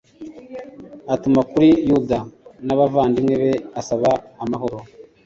atuma kuri yuda n'abavandimwe be asaba amahoro